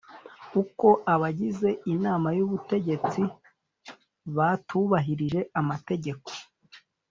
uko abagize Inama y Ubutegetsi batubahirije amategeko